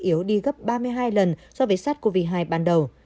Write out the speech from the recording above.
yếu đi gấp ba mươi hai lần so với sars cov hai ban đầu